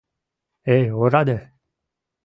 Эй, ораде!